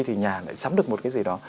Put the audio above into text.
thì nhà lại sắm được một cái gì đó